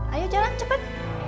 ayo jalan cepet